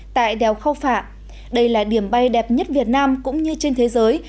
tại đèo khao phạ đây là điểm bay đẹp nhất việt nam cũng như trên thế giới